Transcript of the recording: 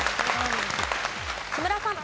木村さん。